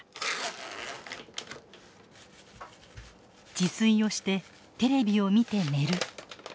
自炊をしてテレビを見て寝る。